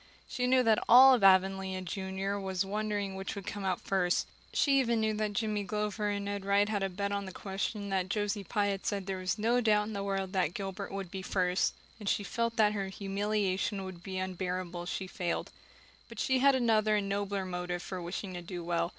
She knew that all Avonlea junior was wondering which would come out first; she even knew that Jimmy Glover and Ned Wright had a bet on the question and that Josie Pye had said there was no doubt in the world that Gilbert would be first; and she felt that her humiliation would be unbearable if she failed. But she had another and nobler motive for wishing to do well.